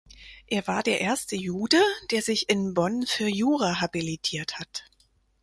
Er war der erste Jude, der sich in Bonn für Jura habilitiert hat.